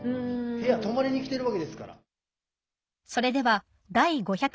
部屋泊まりに来てるわけですから。